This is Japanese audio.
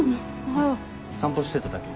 散歩してただけ。